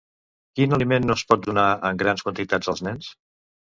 Quin aliment no es pot donar en grans quantitats als nens?